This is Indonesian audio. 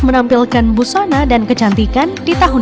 menampilkan busona dan kecantikan di tahun dua ribu sembilan belas